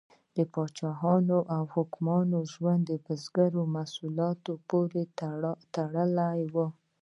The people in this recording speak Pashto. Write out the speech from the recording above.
د پاچاهانو او حکمرانانو ژوند د بزګرو محصولاتو پورې تړلی و.